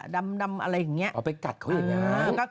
ดำอะไรอย่างนี้เอาไปกัดเขาอย่างนี้